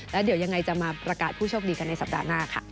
แล้วเดี๋ยวยังไงจะมาประกาศผู้โชคดีกันในสัปดาห์หน้าค่ะ